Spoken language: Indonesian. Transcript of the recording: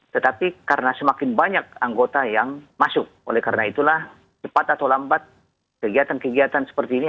tetapi karena semakin banyak anggota yang masuk oleh karena itulah cepat atau lambat kegiatan kegiatan seperti ini